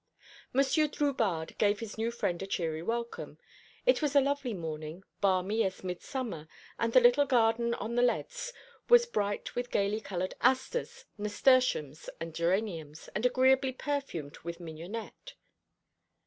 Monsieur Drubarde gave his new friend a cheery welcome. It was a lovely morning, balmy as midsummer, and the little garden on the leads was bright with gaily coloured asters, nasturtiums, and geraniums, and agreeably perfumed with mignonette.